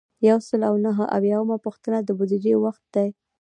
یو سل او نهه اویایمه پوښتنه د بودیجې وخت دی.